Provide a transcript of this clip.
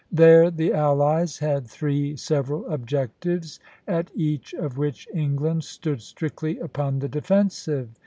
There the allies had three several objectives, at each of which England stood strictly upon the defensive.